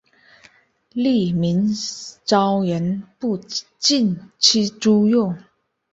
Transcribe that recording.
另明朝人不禁吃猪肉。